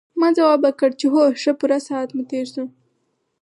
ما ځواب ورکړ چې هو ښه پوره ساعت مو تېر شو.